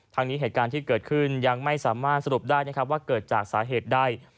ทั้งนี้เหตุการณ์ที่เกิดขึ้นยังไม่สามารถสรุปได้นะครับว่าเกิดจากสาเหตุใด